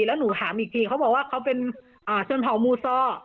แล้วหนูถามอีกทีเขาบอกว่าเขาเป็นชนเผามูซอ